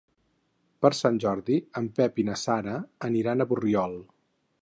Per Sant Jordi en Pep i na Sara aniran a Borriol.